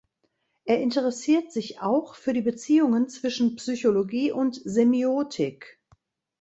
Er interessiert sich auch für die Beziehungen zwischen Psychologie und Semiotik.